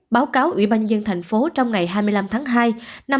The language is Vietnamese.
báo cáo ubnd tp trong ngày hai mươi năm tháng hai năm hai nghìn hai mươi một